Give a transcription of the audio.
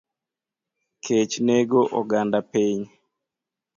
Kech nego oganda piny